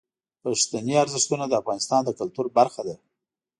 پښتني ارزښتونه د افغانستان د کلتور برخه ده.